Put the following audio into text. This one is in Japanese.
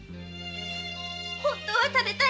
本当は食べたい。